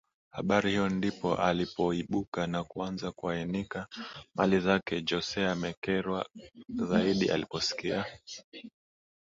habari hiyo ndipo alipoibuka na kuanza kuanika mali zake Jose alikerwa zaidi aliposikia